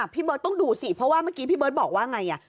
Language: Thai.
พี่เบิร์ตต้องดูสิเพราะว่าเมื่อกี้พี่เบิร์ตบอกว่าไง